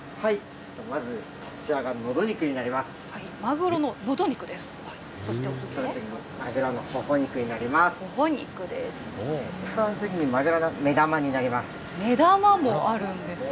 まずこちらがノド肉になります。